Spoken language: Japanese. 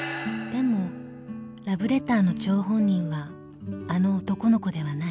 ［でもラブレターの張本人はあの男の子ではない］